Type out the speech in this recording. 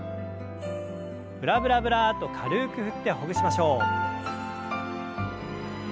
ブラブラブラッと軽く振ってほぐしましょう。